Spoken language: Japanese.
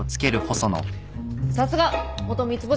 さすが元三つ星